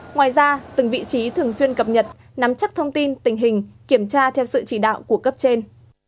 ngoài ra từng vị trí thường xuyên cập nhật nắm chắc thông tin tình hình kiểm tra theo sự chỉ đạo của cấp trên